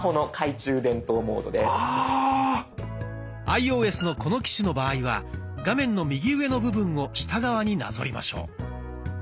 アイオーエスのこの機種の場合は画面の右上の部分を下側になぞりましょう。